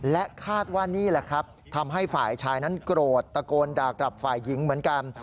และคาดว่านี่แหละครับทำให้ฝ่ายชายนั้นโกรธตะโกนด่ากลับฝ่ายหญิงเหมือนกัน